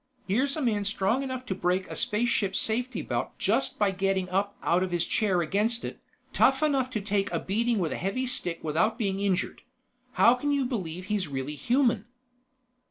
Here's a man strong enough to break a spaceship safety belt just by getting up out of his chair against it, tough enough to take a beating with a heavy stick without being injured. How can you believe he's really human?"